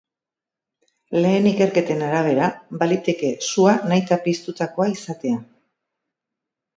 Lehen ikerketen arabera, baliteke sua nahita piztutakoa izatea.